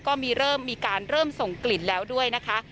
เริ่มมีการเริ่มส่งกลิ่นแล้วด้วยนะคะ